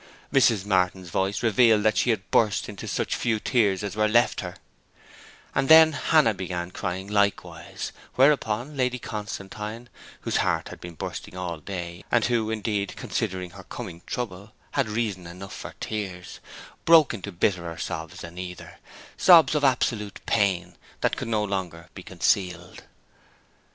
Mrs. Martin's voice revealed that she had burst into such few tears as were left her, and then Hannah began crying likewise; whereupon Lady Constantine, whose heart had been bursting all day (and who, indeed, considering her coming trouble, had reason enough for tears), broke into bitterer sobs than either sobs of absolute pain, that could no longer be concealed.